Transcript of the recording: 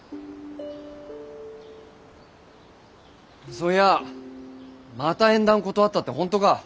そういやまた縁談断ったって本当か？